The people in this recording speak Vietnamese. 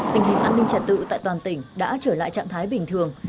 tình hình an ninh trật tự tại toàn tỉnh đã trở lại trạng thái bình thường